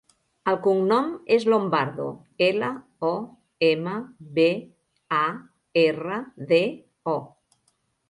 El cognom és Lombardo: ela, o, ema, be, a, erra, de, o.